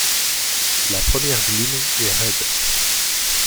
La première glume est raide.